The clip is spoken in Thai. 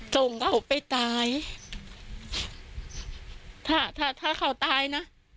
ส่งเขาไปตายถ้าถ้าเขาตายนะ